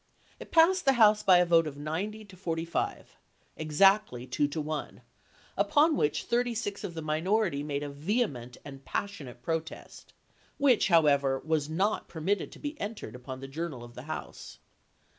It passed the House by "oiobe," a vote of 90 to 45, exactly two to one, upon which pp 20 22. ' 36 of the minority made a vehement and passion ate protest, which, however, was not permitted to be entered upon the journal of the House.